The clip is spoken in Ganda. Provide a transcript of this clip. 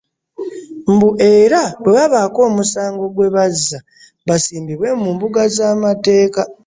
Mbu era bwe babaako omusango gwe bazza basimbibwe mu mbuga z'amateeeka.